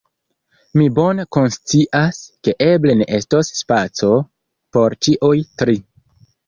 Mi bone konscias, ke eble ne estos spaco por ĉiuj tri.